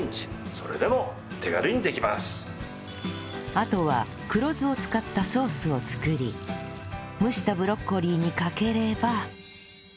あとは黒酢を使ったソースを作り蒸したブロッコリーにかければ